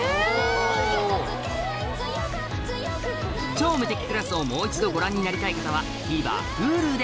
『超無敵クラス』をもう一度ご覧になりたい方はＴＶｅｒＨｕｌｕで